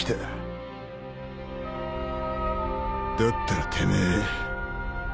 だったらてめえ。